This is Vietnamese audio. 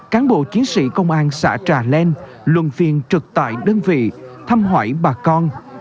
cán bộ chiến sĩ công an xã trà lên luận phiền trực tại đơn vị thăm hỏi bà con